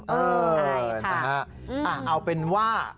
เออใช่ค่ะอ้าวเอาเป็นว่า